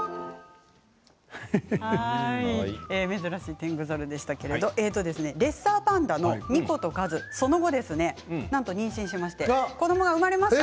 珍しいテングザルでしたけどレッサーパンダのニコと和その後なんと妊娠しまして子どもが生まれました。